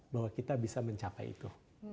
bahwa kita bisa mencapai itu